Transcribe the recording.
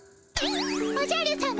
「おじゃるさま